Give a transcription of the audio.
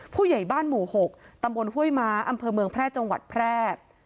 ผู้ใหญ่บ้านหมู่๖ตำบลห้วยม้าอำเภอเมืองแพร่จังหวัดแพร่